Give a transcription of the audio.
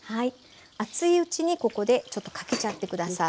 熱いうちにここでかけちゃって下さい。